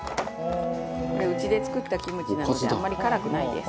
これ、うちで作ったキムチなんであんまり辛くないです。